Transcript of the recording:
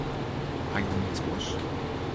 Ha jo neat oars?